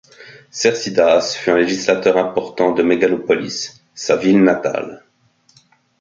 Cercidas fut un législateur important de Mégalopolis, sa ville natale.